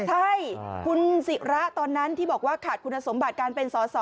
ใช่คุณศิระตอนนั้นที่บอกว่าขาดคุณสมบัติการเป็นสอสอ